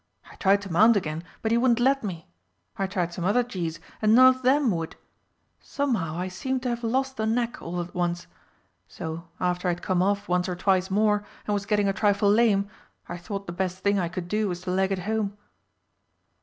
I tried to mount again, but he wouldn't let me. I tried some other gees, and none of them would. Somehow I seemed to have lost the knack all at once. So, after I'd come off once or twice more and was getting a trifle lame, I thought the best thing I could do was to leg it home."